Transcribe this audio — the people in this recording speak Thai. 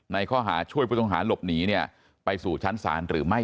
ในข้อหาช่วยผู้ต้องหาหลบหนีเนี่ยไปสู่ชั้นศาลหรือไม่